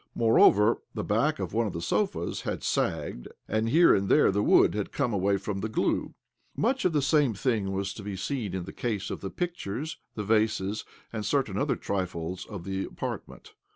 Moreover, the back of one of the sofas had sagged, and, here and there, the wood had come away from 12 OBLOMOV the glue. Much the same thing was to be seen in the case of the pictures, the vases, and certain other trifles of the apartment.